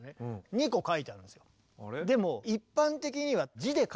２個書いてあるんですよ。